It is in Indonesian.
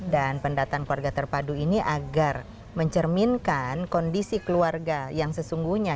dan pendataan keluarga terpadu ini agar mencerminkan kondisi keluarga yang sesungguhnya